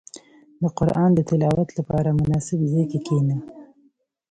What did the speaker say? • د قران د تلاوت لپاره، مناسب ځای کې کښېنه.